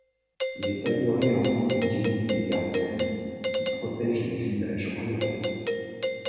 Il est adoré en tant que divinité gardienne, qui protège les villages ruraux.